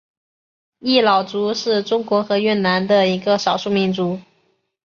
仡佬族是中国和越南的一个少数民族。